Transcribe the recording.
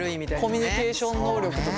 コミュニケーション能力とか。